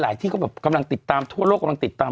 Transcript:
หลายที่กำลังติดตามทั่วโลกกำลังติดตาม